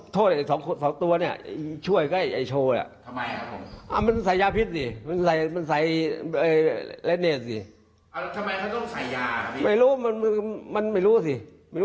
ถ้าคนตรวจมันออกมาว่าข้าวเรามียาพิษหรือสารพิษ